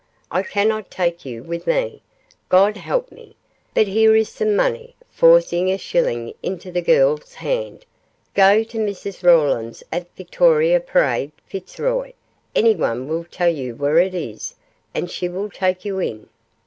I cannot take you with me God help me; but here is some money,' forcing a shilling into the girl's hand, 'go to Mrs Rawlins at Victoria Parade, Fitzroy anyone will tell you where it is and she will take you in.